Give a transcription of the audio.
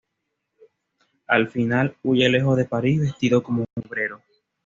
Al final, huye lejos de París, vestido como un obrero.